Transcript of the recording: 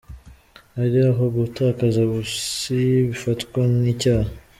ari aho gutakaza ubusi bifatwa nk’icyaha.